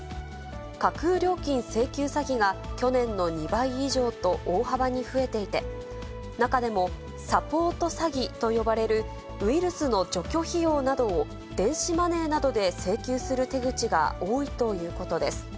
架空料金請求詐欺が去年の２倍以上と大幅に増えていて、中でも、サポート詐欺と呼ばれるウイルスの除去費用などを電子マネーなどで請求する手口が多いということです。